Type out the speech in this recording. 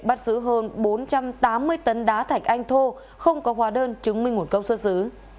bắt giữ hơn bốn trăm tám mươi tấn đá thạch anh thô không có hóa đơn chứng minh nguồn công xuất xứ